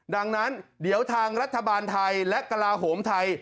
ดังนั้นเดี๋ยวทางรัฐบาลไทยและกระลาโหมไทย